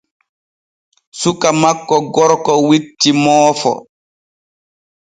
Suka makko gorko witti moofo.